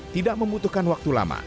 tidak membutuhkan waktu lama